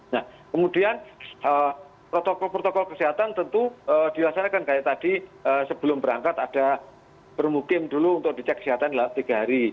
nah kemudian protokol protokol kesehatan tentu dilaksanakan kayak tadi sebelum berangkat ada bermukim dulu untuk dicek kesehatan tiga hari